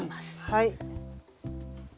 はい。